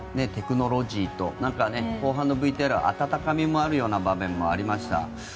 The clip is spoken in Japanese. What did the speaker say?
テクノロジーと後半のＶＴＲは温かみもあるような場面もありました。